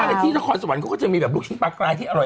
พอแต่ที่ทะคอนสะวันก็จะมีกลุ่คเน็ตปลากรายที่อร่อย